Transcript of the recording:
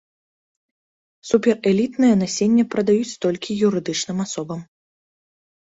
Суперэлітнае насенне прадаюць толькі юрыдычным асобам.